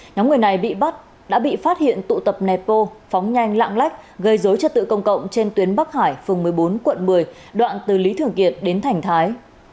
nhóm người này bị bắt đã bị phát hiện tụ tập nẹp bô phóng nhanh lạng lách gây dối trật tự công cộng trên tuyến bắc hải phường một mươi bốn quận một mươi đoạn từ lý thường kiệt đến thành thái